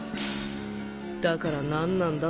だから何なんだ？